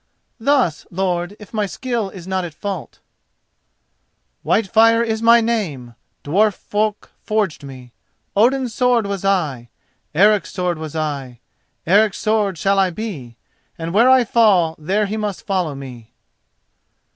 "Thus, lord, if my skill is not at fault:— "Whitefire is my name— Dwarf folk forged me— Odin's sword was I— Eric's sword was I— Eric's sword shall I be— And where I fall there he must follow me."